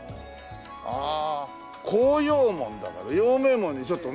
ああ孝養門だから陽明門にちょっとね。